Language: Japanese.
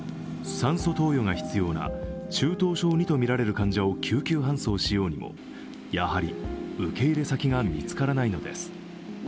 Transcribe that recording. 酸素投与が必要な中等症Ⅱとみられる患者を救急搬送しようにも、やはり受け入れ先が見つからないのです。